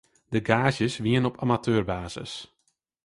De gaazjes wienen op amateurbasis.